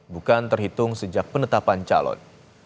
bukan terhitung sejak penetapan calon